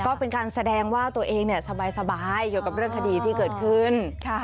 ก็เป็นการแสดงว่าตัวเองสบายเกี่ยวกับเรื่องคดีที่เกิดขึ้น